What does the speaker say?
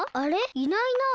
いないなあ。